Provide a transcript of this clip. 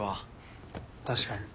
確かに。